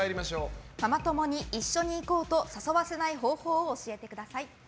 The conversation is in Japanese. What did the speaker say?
ママ友に一緒に行こうと誘わせない方法を教えてください。